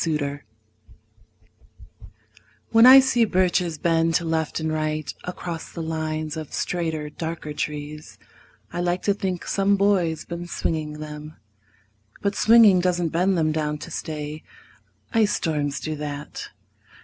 BIRCHES When I see birches bend to left and right Across the lines of straighter darker trees, I like to think some boy's been swinging them. But swinging doesn't bend them down to stay. Ice storms do that.